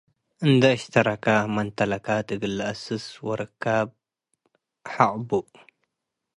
እንዴ አሽተረከ መምተለካት እግል ለአስስ ወርከብ ሐቅ ቡ።